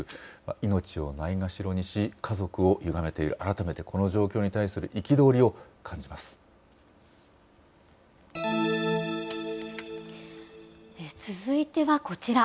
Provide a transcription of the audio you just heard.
命をないがしろにし、家族をゆがめている、改めてこの状況に対す続いてはこちら。